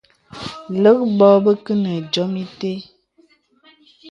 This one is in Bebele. Lə̀k bò bə kə nə diōm itə̀.